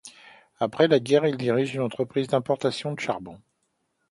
Après la guerre, il dirige une entreprise d'importation de charbon.